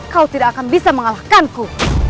kau tidak akan bisa mengalahkanku